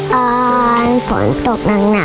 ตอนฝนตกหนักหนัก